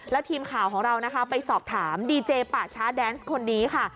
แล้วทีมข่าวของเรานะคะไปสอบถามดีเจป่าช้าแดนส์คนนี้ค่ะ